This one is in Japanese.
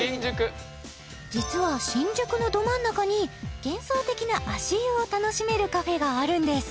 実は新宿のど真ん中に幻想的な足湯を楽しめるカフェがあるんです